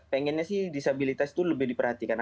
pengennya sih disabilitas itu lebih diperhatikan